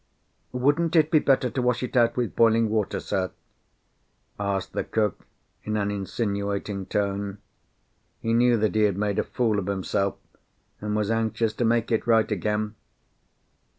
"Wouldn't it be better to wash it out with boiling water, sir?" asked the cook in an insinuating tone. He knew that he had made a fool of himself, and was anxious to make it right again.